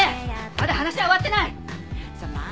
まだ話は終わってない。